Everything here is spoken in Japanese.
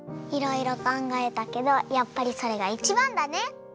いろいろかんがえたけどやっぱりそれがいちばんだね！